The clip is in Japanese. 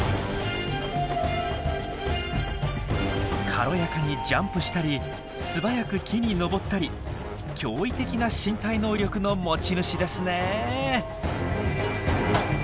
軽やかにジャンプしたり素早く木に登ったり驚異的な身体能力の持ち主ですね。